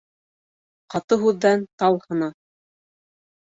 Ҡаты һүҙҙән тал һына